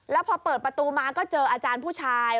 แล้วพอเปิดประตูมาก็เจออาจารย์ผู้ชาย